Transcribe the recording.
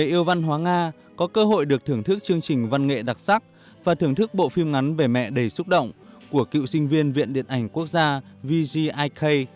ý tưởng lễ hội được thưởng thức chương trình văn nghệ đặc sắc và thưởng thức bộ phim ngắn về mẹ đầy xúc động của cựu sinh viên viện điện ảnh quốc gia vgik